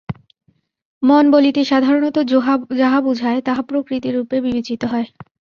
মন বলিতে সাধারণত যাহা বোঝায়, তাহা প্রকৃতিরূপে বিবেচিত হয় না।